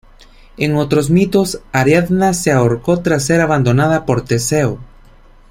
En otros mitos Ariadna se ahorcó tras ser abandonada por Teseo.